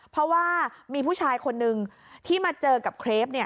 เพราะว่ามีผู้ชายคนนึงที่มาเจอกับเครป